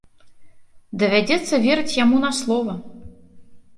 Давядзецца верыць яму на слова.